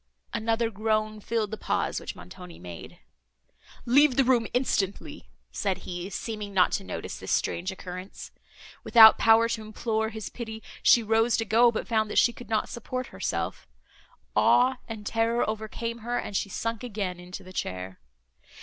Another groan filled the pause which Montoni made. "Leave the room instantly!" said he, seeming not to notice this strange occurrence. Without power to implore his pity, she rose to go, but found that she could not support herself; awe and terror overcame her, and she sunk again into the chair.